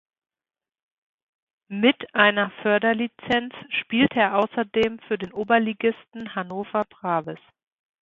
Mit einer Förderlizenz spielte er außerdem für den Oberligisten Hannover Braves.